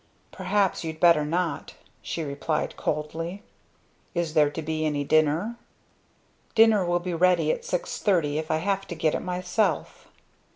"Perhaps you'd better not," she replied coldly. "Is there to be any dinner?" "Dinner will be ready at six thirty, if I have to get it myself."